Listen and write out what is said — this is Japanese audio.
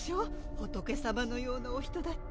仏様のようなお人だった。